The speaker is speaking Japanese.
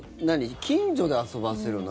近所で遊ばせるの？